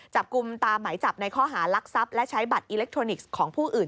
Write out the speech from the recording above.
จับกลุ่มตามหมายจับในข้อหารักทรัพย์และใช้บัตรอิเล็กทรอนิกส์ของผู้อื่น